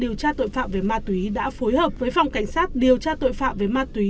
điều tra tội phạm về ma túy đã phối hợp với phòng cảnh sát điều tra tội phạm về ma túy